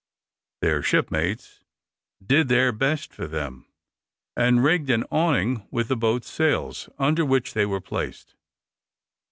Their shipmates did their best for them, and rigged an awning with the boats' sails, under which they were placed.